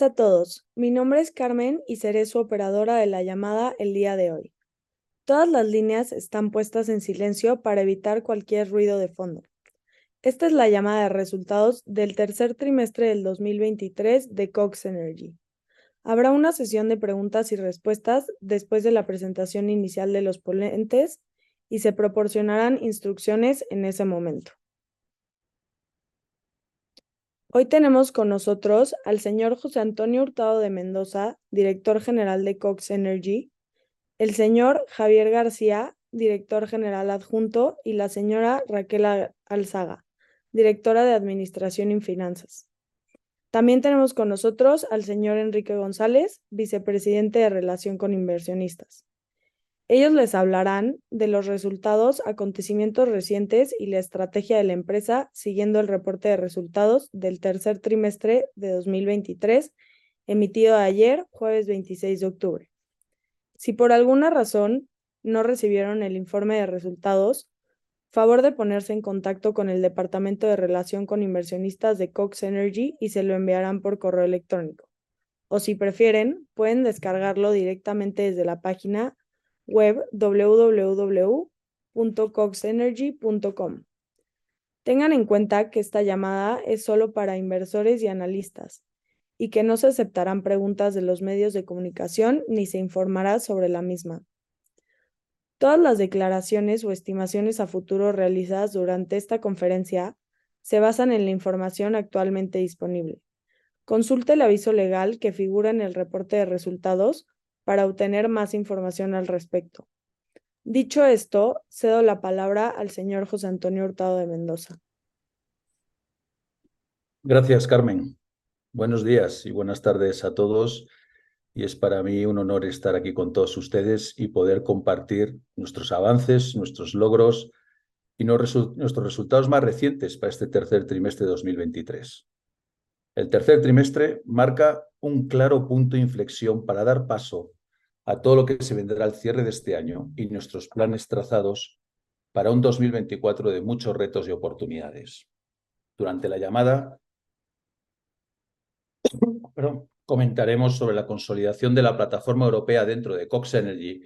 A todos. Mi nombre es Carmen y seré su operadora de la llamada el día de hoy. Todas las líneas están puestas en silencio para evitar cualquier ruido de fondo. Esta es la llamada de resultados del tercer trimestre del 2023 de Cox Energy. Habrá una sesión de preguntas y respuestas después de la presentación inicial de los ponentes y se proporcionarán instrucciones en ese momento. Hoy tenemos con nosotros al señor José Antonio Hurtado de Mendoza, Director General de Cox Energy, el señor Javier García, Director General Adjunto, y la señora Raquel Alzaga, Directora de Administración y Finanzas. También tenemos con nosotros al señor Enrique González, Vicepresidente de Relación con Inversionistas. Ellos les hablarán de los resultados, acontecimientos recientes y la estrategia de la empresa, siguiendo el reporte de resultados del tercer trimestre de 2023, emitido ayer, jueves 26 de octubre. Si por alguna razón no recibieron el informe de resultados, favor de ponerse en contacto con el Departamento de Relación con Inversionistas de Cox Energy y se lo enviarán por correo electrónico, o si prefieren, pueden descargarlo directamente desde la página web www.coxenergy.com. Tengan en cuenta que esta llamada es solo para inversores y analistas y que no se aceptarán preguntas de los medios de comunicación ni se informará sobre la misma. Todas las declaraciones o estimaciones a futuro realizadas durante esta conferencia se basan en la información actualmente disponible. Consulte el aviso legal que figura en el reporte de resultados para obtener más información al respecto. Dicho esto, cedo la palabra al señor José Antonio Hurtado de Mendoza. Gracias, Carmen. Buenos días y buenas tardes a todos, y es para mí un honor estar aquí con todos ustedes y poder compartir nuestros avances, nuestros logros y nuestros resultados más recientes para este tercer trimestre de 2023. El tercer trimestre marca un claro punto de inflexión para dar paso a todo lo que se vendrá al cierre de este año y nuestros planes trazados para un 2024 de muchos retos y oportunidades. Durante la llamada comentaremos sobre la consolidación de la plataforma europea dentro de Cox Energy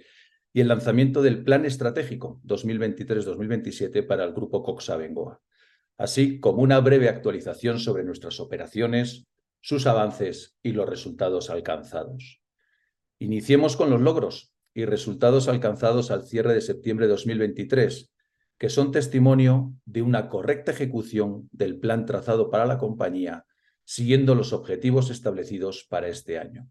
y el lanzamiento del Plan Estratégico 2023-2027 para el grupo Cox Abengoa, así como una breve actualización sobre nuestras operaciones, sus avances y los resultados alcanzados. Iniciemos con los logros y resultados alcanzados al cierre de septiembre de 2023, que son testimonio de una correcta ejecución del plan trazado para la compañía, siguiendo los objetivos establecidos para este año.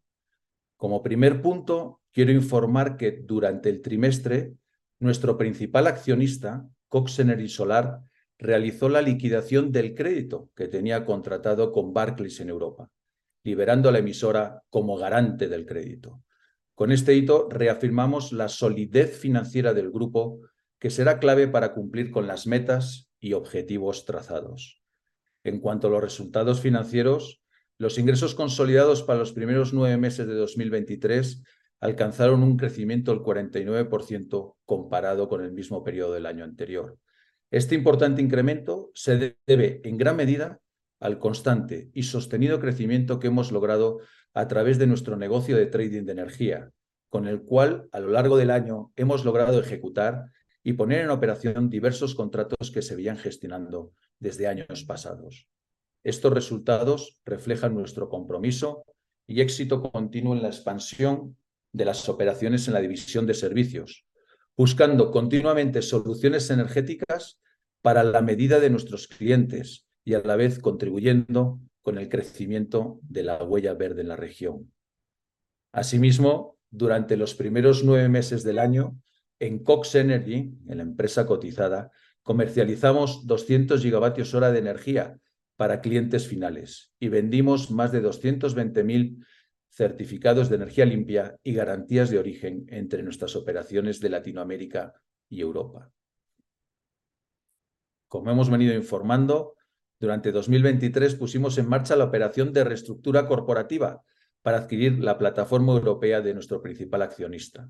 Como primer punto, quiero informar que durante el trimestre, nuestro principal accionista, Cox Energy Solar, realizó la liquidación del crédito que tenía contratado con Barclays en Europa, liberando a la emisora como garante del crédito. Con este hito, reafirmamos la solidez financiera del grupo, que será clave para cumplir con las metas y objetivos trazados. En cuanto a los resultados financieros, los ingresos consolidados para los primeros nueve meses de 2023 alcanzaron un crecimiento del 49%, comparado con el mismo periodo del año anterior. Este importante incremento se debe en gran medida al constante y sostenido crecimiento que hemos logrado a través de nuestro negocio de trading de energía, con el cual, a lo largo del año, hemos logrado ejecutar y poner en operación diversos contratos que se venían gestionando desde años pasados. Estos resultados reflejan nuestro compromiso y éxito continuo en la expansión de las operaciones en la división de servicios, buscando continuamente soluciones energéticas para la medida de nuestros clientes y, a la vez, contribuyendo con el crecimiento de la huella verde en la región. Asimismo, durante los primeros nueve meses del año, en Cox Energy, en la empresa cotizada, comercializamos 200 gigavatios hora de energía para clientes finales y vendimos más de 220,000 certificados de energía limpia y garantías de origen entre nuestras operaciones de Latinoamérica y Europa. Como hemos venido informando, durante 2023 pusimos en marcha la operación de reestructura corporativa para adquirir la plataforma europea de nuestro principal accionista.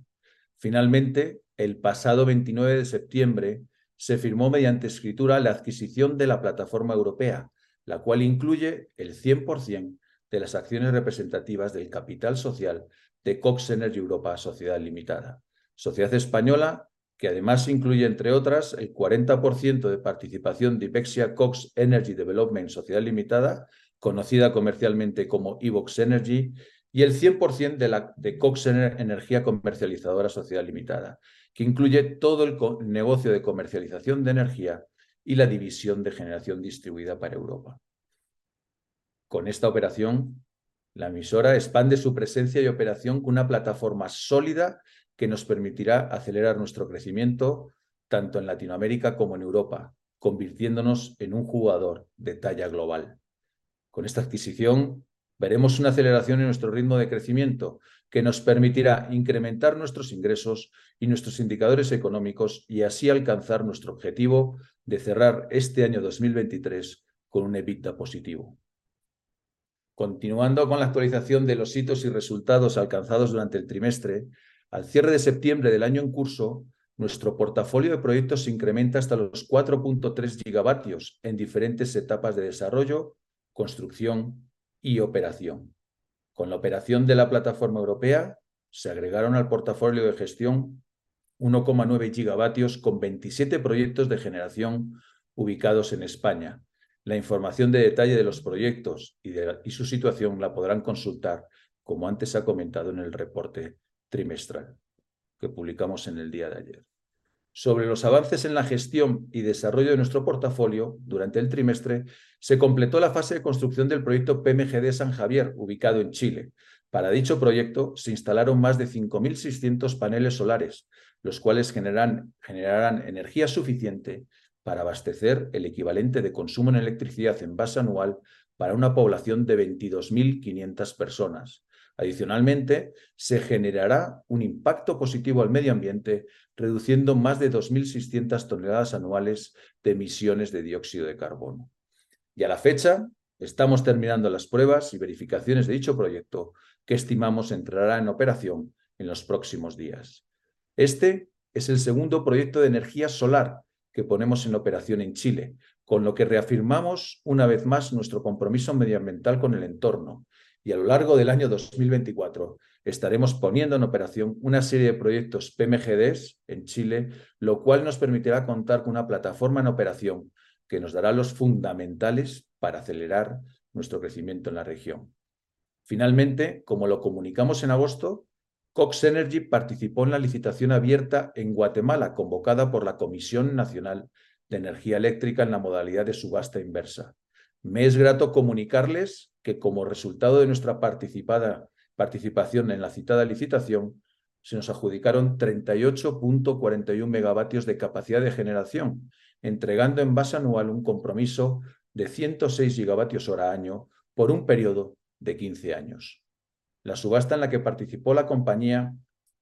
Finalmente, el pasado 29 de septiembre, se firmó mediante escritura la adquisición de la plataforma europea, la cual incluye el 100% de las acciones representativas del capital social de Cox Energy Europa, Sociedad Limitada, sociedad española, que además incluye, entre otras, el 40% de participación de Ibexia Cox Energy Development, Sociedad Limitada, conocida comercialmente como Ebox Energy, y el 100% de Cox Energy Energía Comercializadora, Sociedad Limitada, que incluye todo el negocio de comercialización de energía y la división de generación distribuida para Europa. Con esta operación, la emisora expande su presencia y operación con una plataforma sólida que nos permitirá acelerar nuestro crecimiento, tanto en Latinoamérica como en Europa, convirtiéndonos en un jugador de talla global. Con esta adquisición, veremos una aceleración en nuestro ritmo de crecimiento, que nos permitirá incrementar nuestros ingresos y nuestros indicadores económicos, y así alcanzar nuestro objetivo de cerrar este año 2023 con un EBITDA positivo. Continuando con la actualización de los hitos y resultados alcanzados durante el trimestre, al cierre de septiembre del año en curso, nuestro portafolio de proyectos se incrementa hasta los 4.3 gigavatios en diferentes etapas de desarrollo, construcción y operación. Con la operación de la plataforma europea, se agregaron al portafolio de gestión 1.9 gigavatios, con 27 proyectos de generación ubicados en España. La información de detalle de los proyectos y su situación la podrán consultar, como antes se ha comentado, en el reporte trimestral que publicamos en el día de ayer. Sobre los avances en la gestión y desarrollo de nuestro portafolio, durante el trimestre, se completó la fase de construcción del proyecto PMGD San Javier, ubicado en Chile. Para dicho proyecto se instalaron más de 5,600 paneles solares, los cuales generarán energía suficiente para abastecer el equivalente de consumo en electricidad en base anual para una población de 22,500 personas. Adicionalmente, se generará un impacto positivo al medio ambiente, reduciendo más de 2,600 toneladas anuales de emisiones de dióxido de carbono. A la fecha, estamos terminando las pruebas y verificaciones de dicho proyecto, que estimamos entrará en operación en los próximos días. Este es el segundo proyecto de energía solar que ponemos en operación en Chile, con lo que reafirmamos una vez más nuestro compromiso medioambiental con el entorno y a lo largo del año 2024 estaremos poniendo en operación una serie de proyectos PMGDs en Chile, lo cual nos permitirá contar con una plataforma en operación que nos dará los fundamentales para acelerar nuestro crecimiento en la región. Finalmente, como lo comunicamos en agosto, Cox Energy participó en la licitación abierta en Guatemala, convocada por la Comisión Nacional de Energía Eléctrica, en la modalidad de subasta inversa. Me es grato comunicarles que, como resultado de nuestra participación en la citada licitación, se nos adjudicaron 38.41 megavatios de capacidad de generación, entregando en base anual un compromiso de 106 gigavatios hora año por un periodo de quince años. La subasta en la que participó la compañía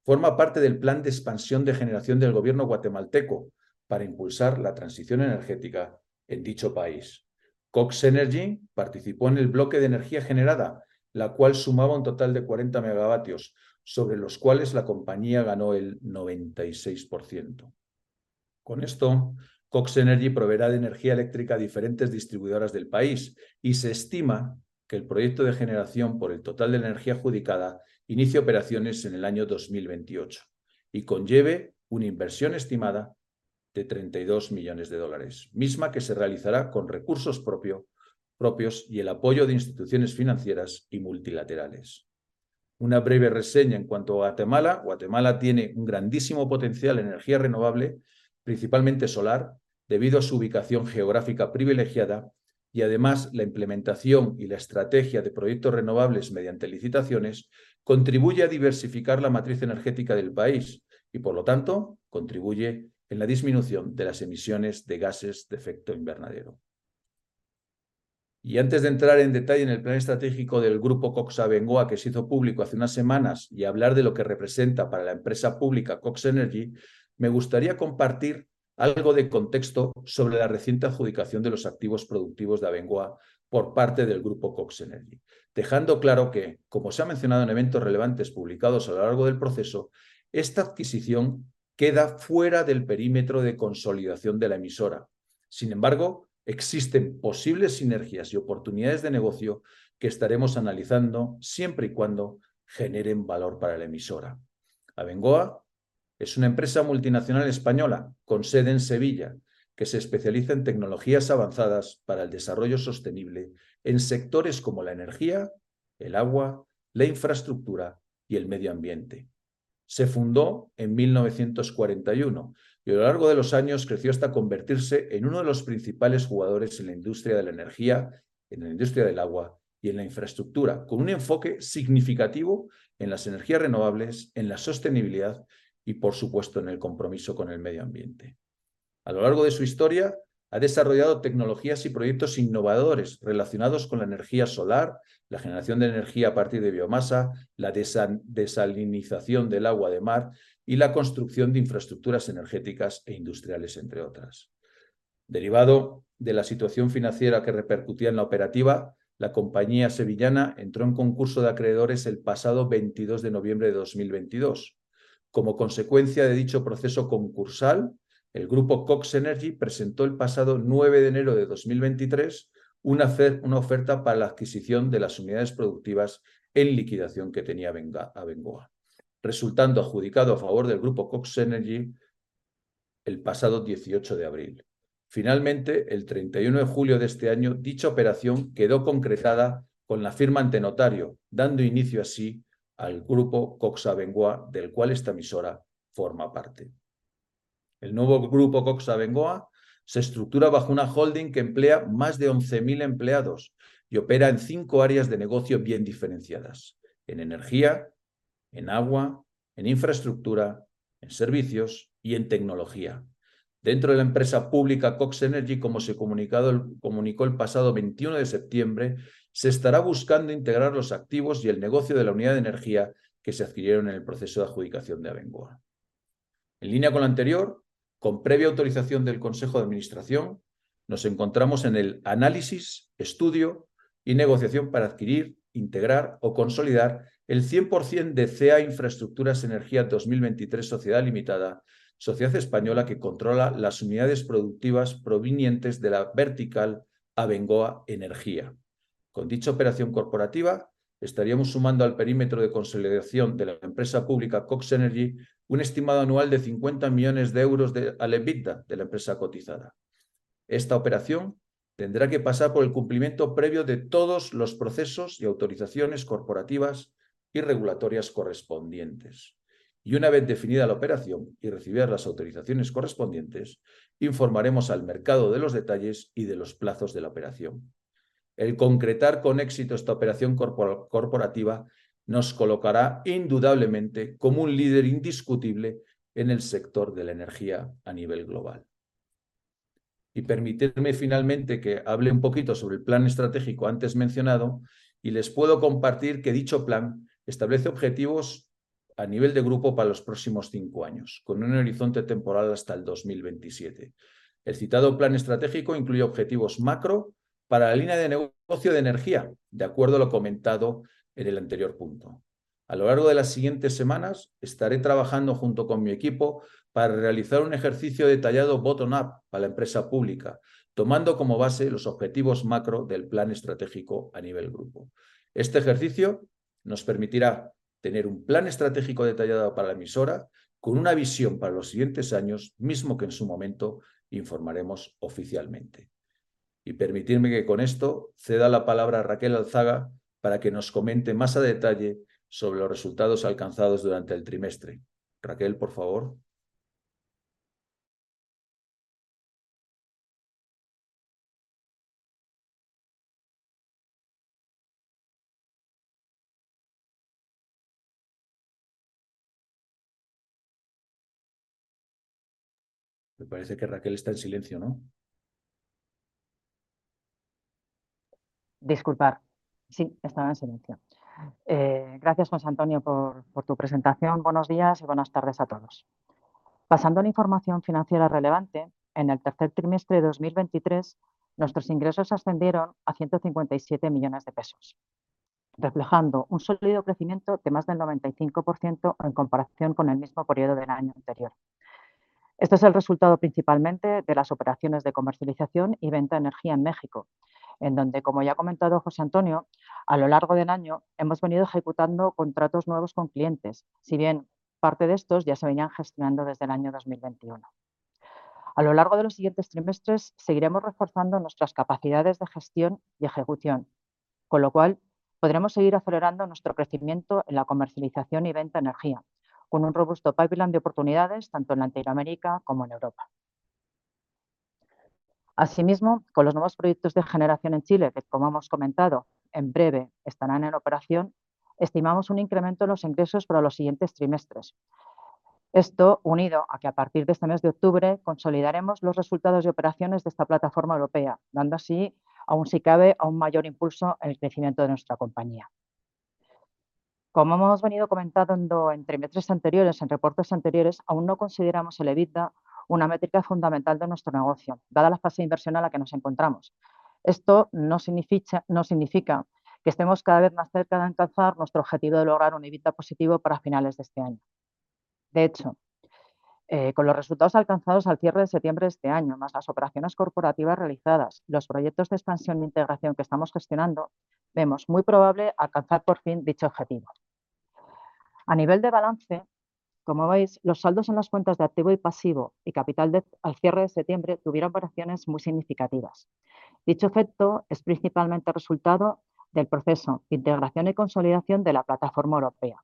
forma parte del plan de expansión de generación del gobierno guatemalteco para impulsar la transición energética en dicho país. Cox Energy participó en el bloque de energía generada, la cual sumaba un total de 40 megavatios, sobre los cuales la compañía ganó el 96%. Con esto, Cox Energy proveerá de energía eléctrica a diferentes distribuidoras del país y se estima que el proyecto de generación por el total de energía adjudicada inicie operaciones en el año 2028 y conlleve una inversión estimada de $32 millones de dólares, misma que se realizará con recursos propios y el apoyo de instituciones financieras y multilaterales. Una breve reseña en cuanto a Guatemala. Guatemala tiene un grandísimo potencial en energía renovable, principalmente solar, debido a su ubicación geográfica privilegiada y además, la implementación y la estrategia de proyectos renovables mediante licitaciones contribuye a diversificar la matriz energética del país y, por lo tanto, contribuye en la disminución de las emisiones de gases de efecto invernadero. Antes de entrar en detalle en el plan estratégico del grupo Cox Abengoa, que se hizo público hace unas semanas, y hablar de lo que representa para la empresa pública Cox Energy, me gustaría compartir algo de contexto sobre la reciente adjudicación de los activos productivos de Abengoa por parte del grupo Cox Energy, dejando claro que, como se ha mencionado en eventos relevantes publicados a lo largo del proceso, esta adquisición queda fuera del perímetro de consolidación de la emisora. Sin embargo, existen posibles sinergias y oportunidades de negocio que estaremos analizando, siempre y cuando generen valor para la emisora. Abengoa es una empresa multinacional española con sede en Sevilla, que se especializa en tecnologías avanzadas para el desarrollo sostenible en sectores como la energía, el agua, la infraestructura y el medio ambiente. Se fundó en 1941 y a lo largo de los años creció hasta convertirse en uno de los principales jugadores en la industria de la energía, en la industria del agua y en la infraestructura, con un enfoque significativo en las energías renovables, en la sostenibilidad y, por supuesto, en el compromiso con el medio ambiente. A lo largo de su historia, ha desarrollado tecnologías y proyectos innovadores relacionados con la energía solar, la generación de energía a partir de biomasa, la desalinización del agua de mar y la construcción de infraestructuras energéticas e industriales, entre otras. Derivado de la situación financiera que repercutía en la operativa, la compañía sevillana entró en concurso de acreedores el pasado 22 de noviembre de 2022. Como consecuencia de dicho proceso concursal, el grupo Cox Energy presentó el pasado 9 de enero de 2023 una oferta para la adquisición de las unidades productivas en liquidación que tenía Abengoa, resultando adjudicado a favor del grupo Cox Energy el pasado 18 de abril. Finalmente, el 31 de julio de este año, dicha operación quedó concretada con la firma ante notario, dando inicio así al grupo Cox Abengoa, del cual esta emisora forma parte. El nuevo grupo Cox Abengoa se estructura bajo una holding que emplea más de 11,000 empleados y opera en cinco áreas de negocio bien diferenciadas: en energía, en agua, en infraestructura, en servicios y en tecnología. Dentro de la empresa pública Cox Energy, como se comunicó el pasado 21 de septiembre, se estará buscando integrar los activos y el negocio de la unidad de energía que se adquirieron en el proceso de adjudicación de Abengoa. En línea con lo anterior, con previa autorización del Consejo de Administración, nos encontramos en el análisis, estudio y negociación para adquirir, integrar o consolidar el 100% de CEA Infraestructuras Energía 2023, Sociedad Limitada, sociedad española que controla las unidades productivas provenientes de la vertical Abengoa Energía. Con dicha operación corporativa, estaríamos sumando al perímetro de consolidación de la empresa pública Cox Energy un estimado anual de €50 millones de EBITDA de la empresa cotizada. Esta operación tendrá que pasar por el cumplimiento previo de todos los procesos y autorizaciones corporativas y regulatorias correspondientes. Una vez definida la operación y recibidas las autorizaciones correspondientes, informaremos al mercado de los detalles y de los plazos de la operación. El concretar con éxito esta operación corporativa nos colocará indudablemente como un líder indiscutible en el sector de la energía a nivel global. Finalmente, que hable un poquito sobre el plan estratégico antes mencionado, y les puedo compartir que dicho plan establece objetivos a nivel de grupo para los próximos cinco años, con un horizonte temporal hasta el 2027. El citado plan estratégico incluye objetivos macro para la línea de negocio de energía, de acuerdo a lo comentado en el anterior punto. A lo largo de las siguientes semanas, estaré trabajando junto con mi equipo para realizar un ejercicio detallado bottom up para la empresa pública, tomando como base los objetivos macro del plan estratégico a nivel grupo. Este ejercicio nos permitirá tener un plan estratégico detallado para la emisora, con una visión para los siguientes años, mismo que en su momento informaremos oficialmente. Permitidme que con esto ceda la palabra a Raquel Alzaga, para que nos comente más a detalle sobre los resultados alcanzados durante el trimestre. Raquel, por favor. Me parece que Raquel está en silencio, ¿no? Disculpad. Sí, estaba en silencio. Gracias, José Antonio, por tu presentación. Buenos días y buenas tardes a todos. Pasando a la información financiera relevante, en el tercer trimestre de 2023, nuestros ingresos ascendieron a $157 millones de pesos, reflejando un sólido crecimiento de más del 95% en comparación con el mismo periodo del año anterior. Este es el resultado principalmente de las operaciones de comercialización y venta de energía en México, en donde, como ya ha comentado José Antonio, a lo largo del año hemos venido ejecutando contratos nuevos con clientes, si bien parte de estos ya se venían gestionando desde el año 2021. A lo largo de los siguientes trimestres, seguiremos reforzando nuestras capacidades de gestión y ejecución, con lo cual podremos seguir acelerando nuestro crecimiento en la comercialización y venta de energía, con un robusto pipeline de oportunidades tanto en Latinoamérica como en Europa. Asimismo, con los nuevos proyectos de generación en Chile, que, como hemos comentado, en breve estarán en operación, estimamos un incremento en los ingresos para los siguientes trimestres. Esto, unido a que a partir de este mes de octubre consolidaremos los resultados de operaciones de esta plataforma europea, dando así, aún si cabe, un mayor impulso en el crecimiento de nuestra compañía. Como hemos venido comentando en trimestres anteriores, en reportes anteriores, aún no consideramos el EBITDA una métrica fundamental de nuestro negocio, dada la fase de inversión en la que nos encontramos. Esto no significa que estemos cada vez más cerca de alcanzar nuestro objetivo de lograr un EBITDA positivo para finales de este año. De hecho, con los resultados alcanzados al cierre de septiembre de este año, más las operaciones corporativas realizadas, los proyectos de expansión e integración que estamos gestionando, vemos muy probable alcanzar por fin dicho objetivo. A nivel de balance, como veis, los saldos en las cuentas de activo y pasivo y capital al cierre de septiembre tuvieron variaciones muy significativas. Dicho efecto es principalmente resultado del proceso de integración y consolidación de la plataforma europea,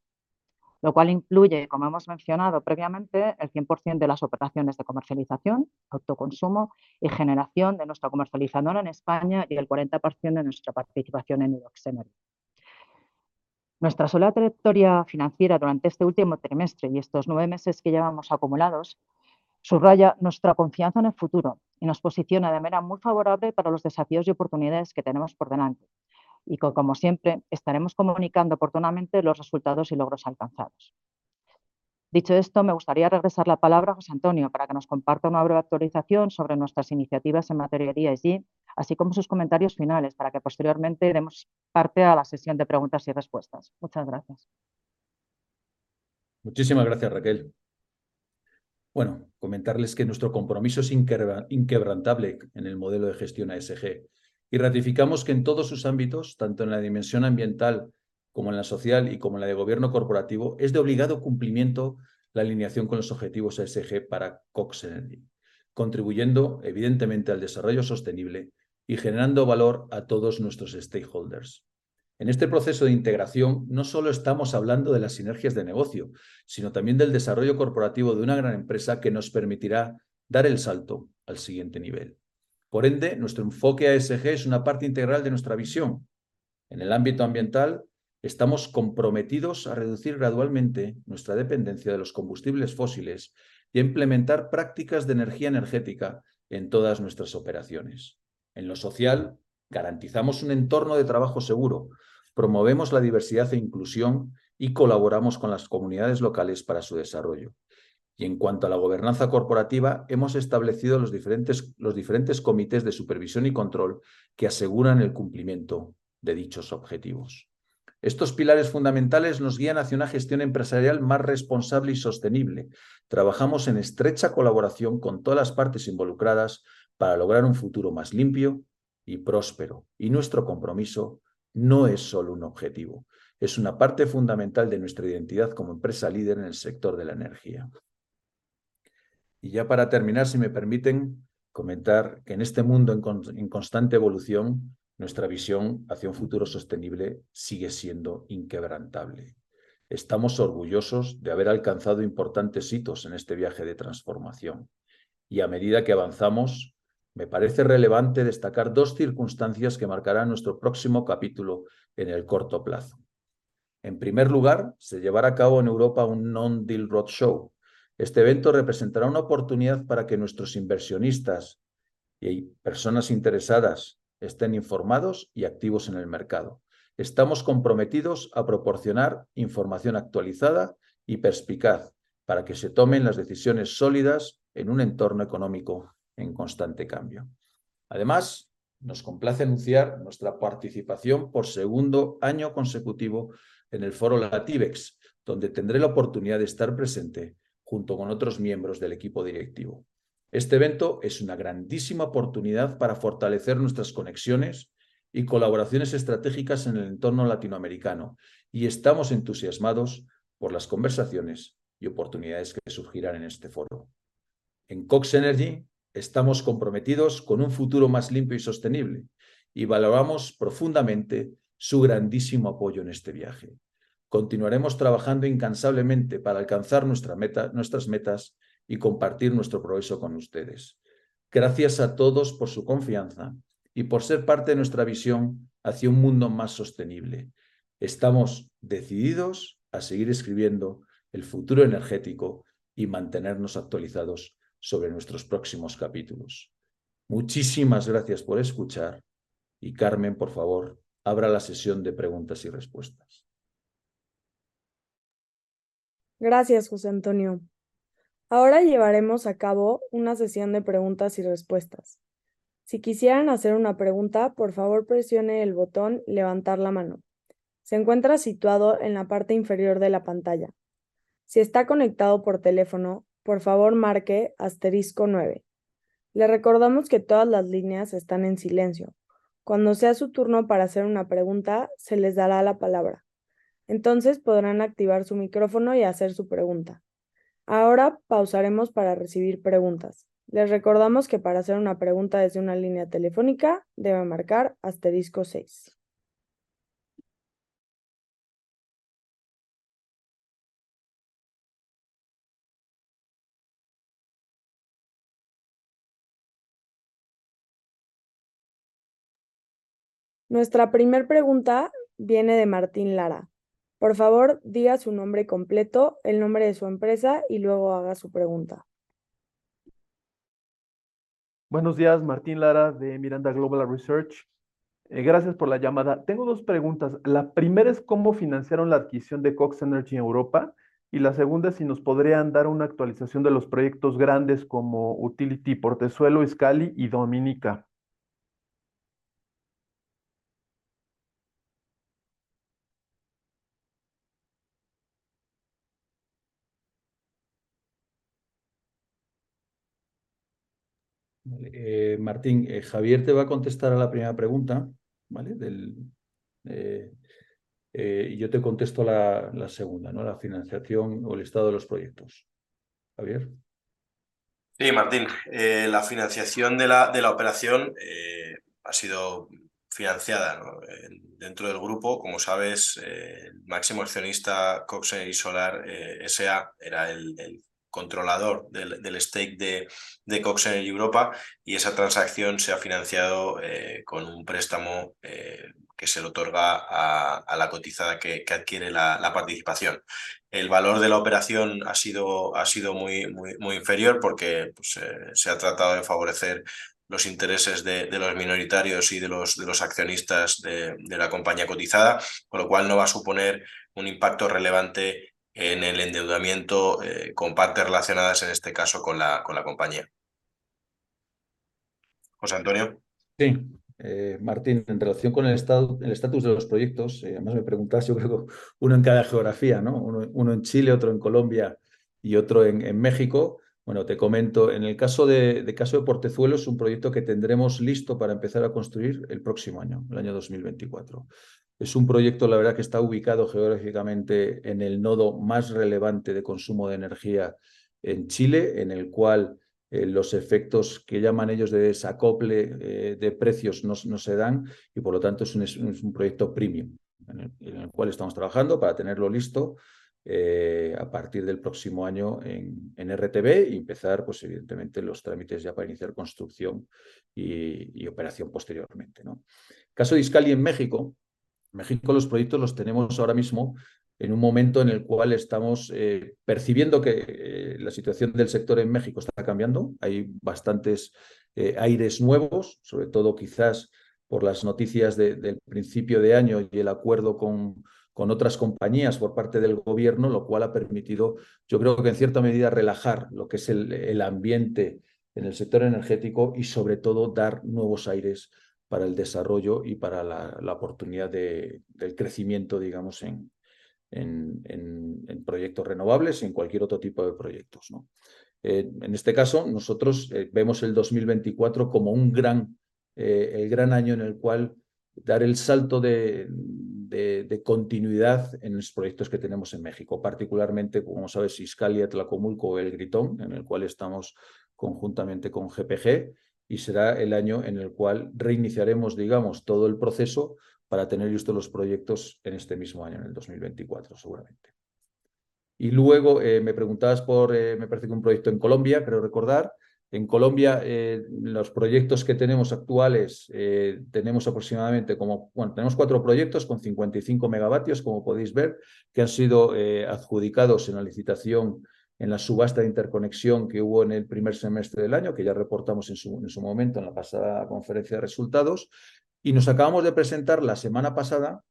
lo cual incluye, como hemos mencionado previamente, el 100% de las operaciones de comercialización, autoconsumo y generación de nuestra comercializadora en España y el 40% de nuestra participación en Newox Energy. Nuestra sólida trayectoria financiera durante este último trimestre y estos nueve meses que llevamos acumulados, subraya nuestra confianza en el futuro y nos posiciona de manera muy favorable para los desafíos y oportunidades que tenemos por delante. Como siempre, estaremos comunicando oportunamente los resultados y logros alcanzados. Dicho esto, me gustaría regresar la palabra a José Antonio, para que nos comparta una breve actualización sobre nuestras iniciativas en materia de ESG, así como sus comentarios finales, para que posteriormente demos parte a la sesión de preguntas y respuestas. Muchas gracias. Muchísimas gracias, Raquel. Bueno, comentarles que nuestro compromiso es inquebrantable en el modelo de gestión ESG, y ratificamos que en todos sus ámbitos, tanto en la dimensión ambiental, como en la social y como en la de gobierno corporativo, es de obligado cumplimiento la alineación con los objetivos ESG para Cox Energy, contribuyendo evidentemente al desarrollo sostenible y generando valor a todos nuestros stakeholders. En este proceso de integración, no solo estamos hablando de las sinergias de negocio, sino también del desarrollo corporativo de una gran empresa que nos permitirá dar el salto al siguiente nivel. Por ende, nuestro enfoque ESG es una parte integral de nuestra visión. En el ámbito ambiental, estamos comprometidos a reducir gradualmente nuestra dependencia de los combustibles fósiles y a implementar prácticas de eficiencia energética en todas nuestras operaciones. En lo social, garantizamos un entorno de trabajo seguro, promovemos la diversidad e inclusión y colaboramos con las comunidades locales para su desarrollo. En cuanto a la gobernanza corporativa, hemos establecido los diferentes comités de supervisión y control que aseguran el cumplimiento de dichos objetivos. Estos pilares fundamentales nos guían hacia una gestión empresarial más responsable y sostenible. Trabajamos en estrecha colaboración con todas las partes involucradas para lograr un futuro más limpio y próspero, y nuestro compromiso no es solo un objetivo, es una parte fundamental de nuestra identidad como empresa líder en el sector de la energía. Ya para terminar, si me permiten comentar que en este mundo en constante evolución, nuestra visión hacia un futuro sostenible sigue siendo inquebrantable. Estamos orgullosos de haber alcanzado importantes hitos en este viaje de transformación y, a medida que avanzamos, me parece relevante destacar dos circunstancias que marcarán nuestro próximo capítulo en el corto plazo. En primer lugar, se llevará a cabo en Europa un Non-Deal Roadshow. Este evento representará una oportunidad para que nuestros inversionistas y personas interesadas estén informados y activos en el mercado. Estamos comprometidos a proporcionar información actualizada y perspicaz para que se tomen las decisiones sólidas en un entorno económico en constante cambio. Además, nos complace anunciar nuestra participación por segundo año consecutivo en el foro Latibex, donde tendré la oportunidad de estar presente junto con otros miembros del equipo directivo. Este evento es una grandísima oportunidad para fortalecer nuestras conexiones y colaboraciones estratégicas en el entorno latinoamericano, y estamos entusiasmados por las conversaciones y oportunidades que surgirán en este foro. En Cox Energy estamos comprometidos con un futuro más limpio y sostenible, y valoramos profundamente su grandísimo apoyo en este viaje. Continuaremos trabajando incansablemente para alcanzar nuestra meta, nuestras metas y compartir nuestro progreso con ustedes. Gracias a todos por su confianza y por ser parte de nuestra visión hacia un mundo más sostenible. Estamos decididos a seguir escribiendo el futuro energético y mantenernos actualizados sobre nuestros próximos capítulos. Muchísimas gracias por escuchar y, Carmen, por favor, abra la sesión de preguntas y respuestas. Gracias, José Antonio. Ahora llevaremos a cabo una sesión de preguntas y respuestas. Si quisieran hacer una pregunta, por favor, presione el botón Levantar la mano. Se encuentra situado en la parte inferior de la pantalla. Si está conectado por teléfono, por favor, marque asterisco nueve. Le recordamos que todas las líneas están en silencio. Cuando sea su turno para hacer una pregunta, se les dará la palabra. Entonces podrán activar su micrófono y hacer su pregunta. Ahora pausaremos para recibir preguntas. Les recordamos que para hacer una pregunta desde una línea telefónica, debe marcar asterisco seis. Nuestra primera pregunta viene de Martín Lara. Por favor, diga su nombre completo, el nombre de su empresa y luego haga su pregunta. Buenos días, Martín Lara, de Miranda Global Research. Gracias por la llamada. Tengo dos preguntas. La primera es: ¿cómo financiaron la adquisición de Cox Energy en Europa? Y la segunda, si nos podrían dar una actualización de los proyectos grandes como Utility, Portezuelo, Ixcali y Dominica. Vale, Martín, Javier te va a contestar a la primera pregunta, ¿vale? Del, y yo te contesto la segunda, ¿no? La financiación o el estado de los proyectos. Javier. Sí, Martín, la financiación de la operación ha sido financiada dentro del grupo. Como sabes, el máximo accionista, Cox Energy Solar, S.A., era el controlador del stake de Cox Energy Europa, y esa transacción se ha financiado con un préstamo que se le otorga a la cotizada que adquiere la participación. El valor de la operación ha sido muy, muy, muy inferior, porque se ha tratado de favorecer los intereses de los minoritarios y de los accionistas de la compañía cotizada, con lo cual no va a suponer un impacto relevante en el endeudamiento con partes relacionadas, en este caso, con la compañía. José Antonio. Sí, Martín, en relación con el estado, el estatus de los proyectos, además, me preguntas, yo creo uno en cada geografía, ¿no? Uno en Chile, otro en Colombia y otro en México. Bueno, te comento. En el caso de Portezuelo, es un proyecto que tendremos listo para empezar a construir el próximo año, el año 2024. Es un proyecto, la verdad, que está ubicado geográficamente en el nodo más relevante de consumo de energía en Chile, en el cual los efectos, que llaman ellos de desacople de precios, no se dan y, por lo tanto, es un proyecto premium, en el cual estamos trabajando para tenerlo listo a partir del próximo año en RTB y empezar, pues evidentemente, los trámites ya para iniciar construcción y operación posteriormente, ¿no? Caso de Ixcali en México. México, los proyectos los tenemos ahora mismo en un momento en el cual estamos percibiendo que la situación del sector en México está cambiando. Hay bastantes aires nuevos, sobre todo quizás por las noticias del principio de año y el acuerdo con otras compañías por parte del gobierno, lo cual ha permitido, yo creo que en cierta medida, relajar lo que es el ambiente en el sector energético y sobre todo, dar nuevos aires para el desarrollo y para la oportunidad del crecimiento, digamos, en proyectos renovables y en cualquier otro tipo de proyectos, ¿no? En este caso, nosotros vemos el 2024 como un gran año en el cual dar el salto de continuidad en los proyectos que tenemos en México. Particularmente, como sabes, Ixcal y Atlacomulco, El Gritón, en el cual estamos conjuntamente con GPG, y será el año en el cual reiniciaremos todo el proceso para tener listos los proyectos en este mismo año, en el 2024, seguramente. Me preguntabas por, me parece que un proyecto en Colombia, creo recordar. En Colombia, los proyectos que tenemos actuales, tenemos aproximadamente como, bueno, tenemos cuatro proyectos con 55 megavatios, como podéis ver, que han sido adjudicados en la licitación, en la subasta de interconexión que hubo en el primer semestre del año, que ya reportamos en su momento, en la pasada conferencia de resultados, y nos acabamos de presentar la semana pasada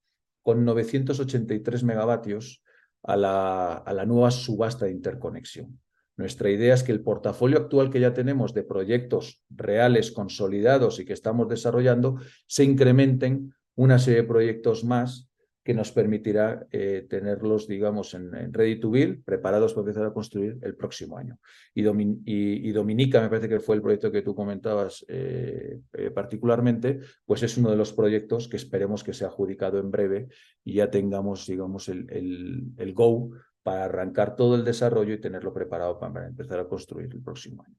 con 983 megavatios a la nueva subasta de interconexión. Nuestra idea es que el portafolio actual, que ya tenemos de proyectos reales, consolidados y que estamos desarrollando, se incrementen una serie de proyectos más, que nos permitirá tenerlos, digamos, en ready to build, preparados para empezar a construir el próximo año. Y Dominica, me parece que fue el proyecto que tú comentabas particularmente, pues es uno de los proyectos que esperemos que sea adjudicado en breve y ya tengamos, digamos, el go para arrancar todo el desarrollo y tenerlo preparado para empezar a construir el próximo año.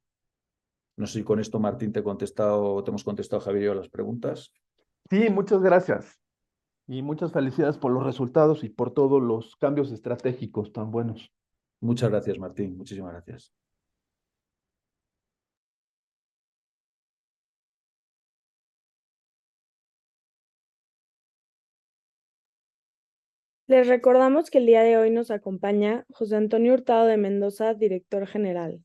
No sé si con esto, Martín, te he contestado o te hemos contestado, Javier y yo, a las preguntas. Sí, muchas gracias y muchas felicidades por los resultados y por todos los cambios estratégicos tan buenos. Muchas gracias, Martín. Muchísimas gracias. Les recordamos que el día de hoy nos acompaña José Antonio Hurtado de Mendoza, Director General.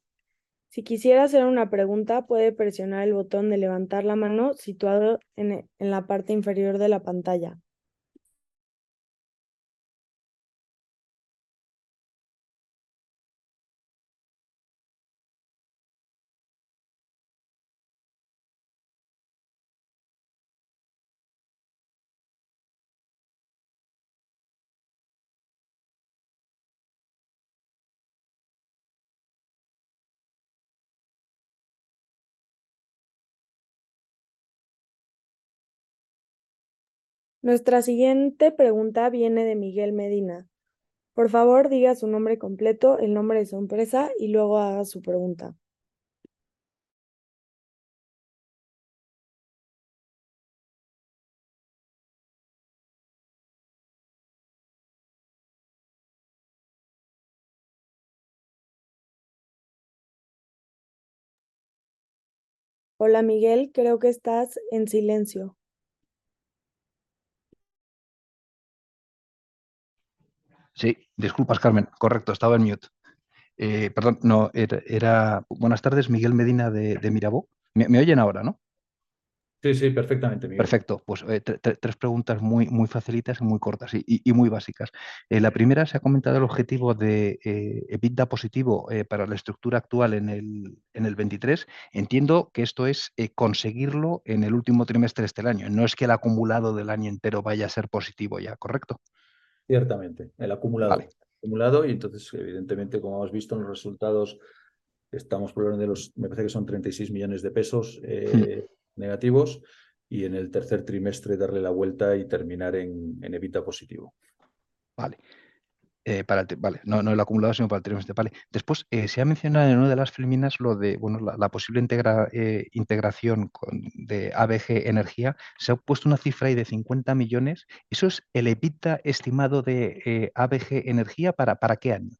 Si quisiera hacer una pregunta, puede presionar el botón de levantar la mano, situado en la parte inferior de la pantalla. Nuestra siguiente pregunta viene de Miguel Medina. Por favor, diga su nombre completo, el nombre de su empresa y luego haga su pregunta. Hola, Miguel, creo que estás en silencio. Sí, disculpas, Carmen. Correcto, estaba en mute. Perdón, no, era... Buenas tardes, Miguel Medina, de Miravo. ¿Me oyen ahora, no? Sí, sí, perfectamente, Miguel. Perfecto. Pues tres preguntas muy, muy facilitas y muy cortas y muy básicas. La primera, se ha comentado el objetivo de EBITDA positivo para la estructura actual en el veintitrés. Entiendo que esto es conseguirlo en el último trimestre de este año, no es que el acumulado del año entero vaya a ser positivo ya, ¿correcto? Ciertamente, el acumulado. Vale. Acumulado, y entonces, evidentemente, como hemos visto en los resultados, estamos por alrededor de los, me parece que son $36 millones de pesos negativos, y en el tercer trimestre, darle la vuelta y terminar en EBITDA positivo. Vale, para el, vale, no, no en el acumulado, sino para el trimestre, vale. Después, se ha mencionado en una de las preliminares lo de, bueno, la posible integración de ABG Energía. Se ha puesto una cifra ahí de €50 millones. ¿Eso es el EBITDA estimado de ABG Energía para qué año?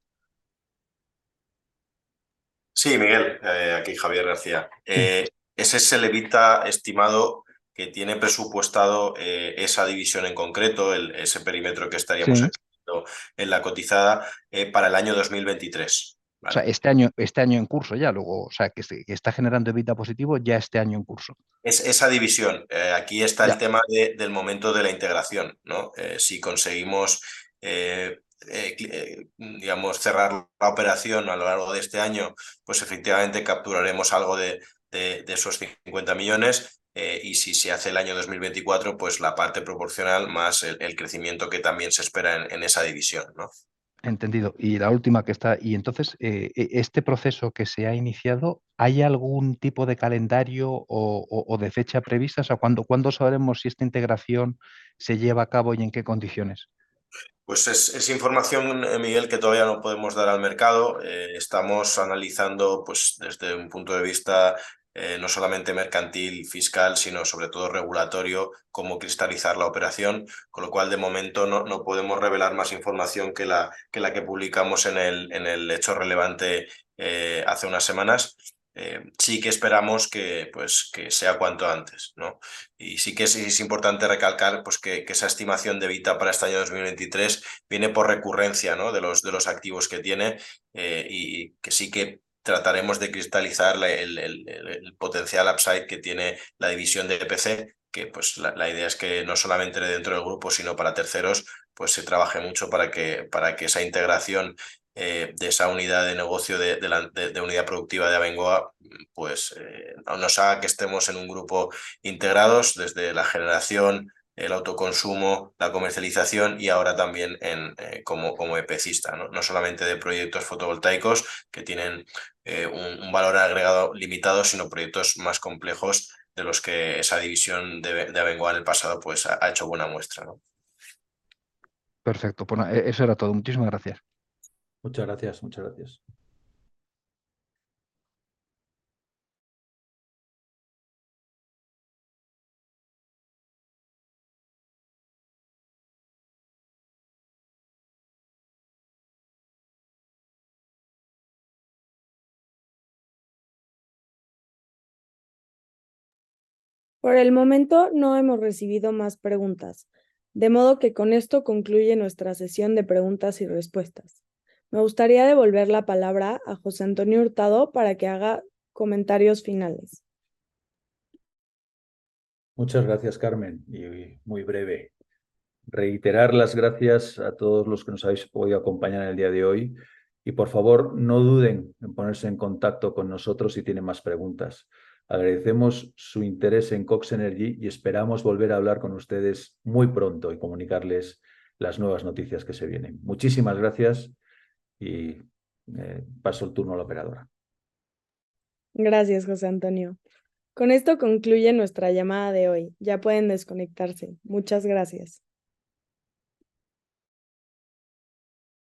Sí, Miguel, aquí Javier García. Ese es el EBITDA estimado que tiene presupuestado esa división en concreto, ese perímetro que estaríamos- Sí. En la cotizada para el año 2023. O sea, este año, este año en curso ya, luego, o sea, que se está generando EBITDA positivo ya este año en curso. Es esa división. Aquí está el tema del momento de la integración, ¿no? Si conseguimos, digamos, cerrar la operación a lo largo de este año, pues efectivamente capturaremos algo de esos cincuenta millones. Y si se hace el año 2024, pues la parte proporcional más el crecimiento, que también se espera en esa división, ¿no? Entendido. Y la última que está: y entonces, este proceso que se ha iniciado, ¿hay algún tipo de calendario o de fecha prevista? O sea, ¿cuándo sabremos si esta integración se lleva a cabo y en qué condiciones? Pues es información, Miguel, que todavía no podemos dar al mercado. Estamos analizando, pues, desde un punto de vista no solamente mercantil y fiscal, sino sobre todo regulatorio, cómo cristalizar la operación, con lo cual, de momento, no podemos revelar más información que la que publicamos en el hecho relevante hace unas semanas. Sí que esperamos que sea cuanto antes, ¿no? Y sí que es importante recalcar, pues, que esa estimación de EBITDA para este año 2023 viene por recurrencia, ¿no? De los activos que tiene y que sí que trataremos de cristalizar el potencial upside que tiene la división de EPC, que la idea es que no solamente dentro del grupo, sino para terceros, pues se trabaje mucho para que esa integración de esa unidad de negocio, de la unidad productiva de Abengoa, pues nos haga que estemos en un grupo integrados desde la generación, el autoconsumo, la comercialización y ahora también en como EPCista, ¿no? No solamente de proyectos fotovoltaicos, que tienen un valor agregado limitado, sino proyectos más complejos de los que esa división de Abengoa en el pasado, pues ha hecho buena muestra, ¿no? Perfecto, pues nada, eso era todo. Muchísimas gracias. Muchas gracias, muchas gracias. Por el momento, no hemos recibido más preguntas, de modo que con esto concluye nuestra sesión de preguntas y respuestas. Me gustaría devolver la palabra a José Antonio Hurtado para que haga comentarios finales. Muchas gracias, Carmen, y muy breve. Reiterar las gracias a todos los que nos habéis podido acompañar en el día de hoy, y por favor, no duden en ponerse en contacto con nosotros si tienen más preguntas. Agradecemos su interés en Cox Energy y esperamos volver a hablar con ustedes muy pronto y comunicarles las nuevas noticias que se vienen. Muchísimas gracias y paso el turno a la operadora. Gracias, José Antonio. Con esto concluye nuestra llamada de hoy, ya pueden desconectarse. Muchas gracias.